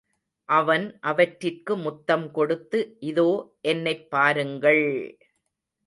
அவன் அவற்றிற்கு முத்தம் கொடுத்து இதோ என்னைப் பாருங்கள்!